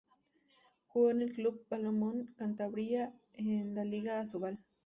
Jugó en el Club Balonmano Cantabria en la Liga Asobal.